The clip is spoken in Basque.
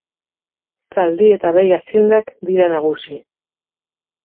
Zaldi- eta behi-aziendak dira nagusi.